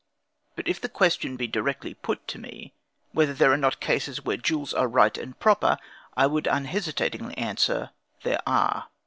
But if the question be directly put to me, whether there are not cases where duels are right and proper, I would unhesitatingly answer, there are.